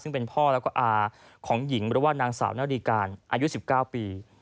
ซึ่งเป็นพ่อแล้วก็อาของหญิงหรือว่านางสาวนาริการอายุ๑๙ปี